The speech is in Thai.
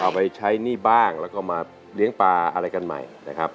เอาไปใช้หนี้บ้างแล้วก็มาเลี้ยงปลาอะไรกันใหม่นะครับ